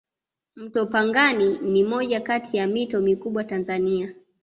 mto pangani ni moja Kati ya mito mikubwa tanzania